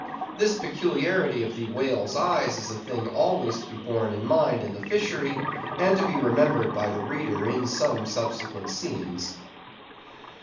This peculiarity of the whale's eyes is a thing always to be borne in mind in the fishery; and to be remembered by the reader in some subsequent scenes.